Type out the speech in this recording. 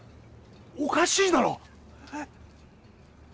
おかしいだろ？